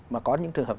mà có những trường hợp